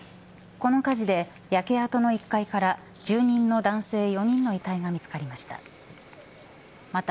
この火事で焼け跡の１階から住人の男性４人の遺体が見つかりました。